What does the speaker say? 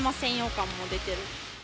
感も出てる。